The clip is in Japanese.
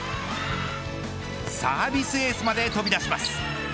サービスエースまで飛び出します。